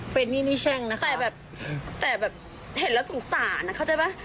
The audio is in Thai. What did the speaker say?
เป็นนี่นี่แช่งนะแต่แบบแต่แบบเห็นแล้วสงสารเข้าใจป่ะ